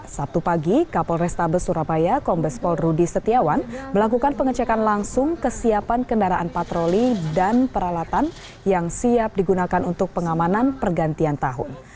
sabtu pagi kapol restabes surabaya kombespol rudi setiawan melakukan pengecekan langsung kesiapan kendaraan patroli dan peralatan yang siap digunakan untuk pengamanan pergantian tahun